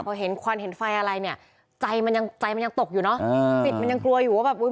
พอเห็นควันเห็นไฟอะไรเนี่ยใจมันยังใจมันยังตกอยู่เนอะจิตมันยังกลัวอยู่ว่าแบบอุ้ย